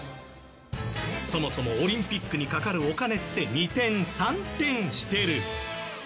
そもそもオリンピックにかかるお金って二転三転してる。